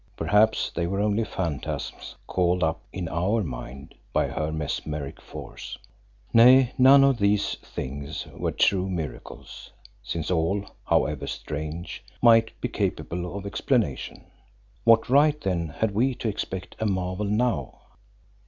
Perhaps they were only phantasms called up in our minds by her mesmeric force. Nay, none of these things were true miracles, since all, however strange, might be capable of explanation. What right then had we to expect a marvel now?